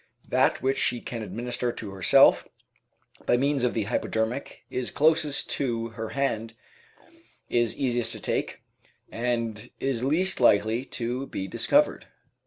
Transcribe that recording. That which she can administer to herself by means of the hypodermic is closest to her hand, is easiest to take, and is least likely to be discovered.